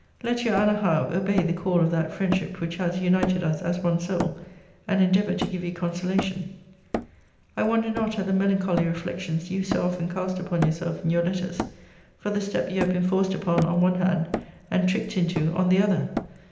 Let your Anna Howe obey the call of that friendship which has united us as one soul, and endeavour to give you consolation. * See Letter XIX. of this volume. I wonder not at the melancholy reflections you so often cast upon yourself in your letters, for the step you have been forced upon on one hand, and tricked into on the other.